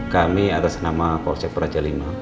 kami atas nama polsek praja v